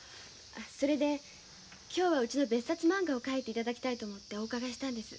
それで今日はうちの別冊まんがを描いて頂きたいと思ってお伺いしたんです。